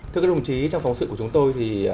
thưa các đồng chí trong phóng sự của chúng tôi thì